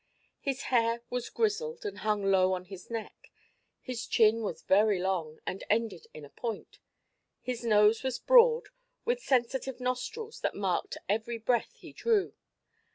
His hair was grizzled and hung low on his neck; his chin was very long and ended in a point; his nose was broad, with sensitive nostrils that marked every breath he drew.